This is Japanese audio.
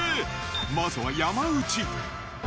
まずは山内。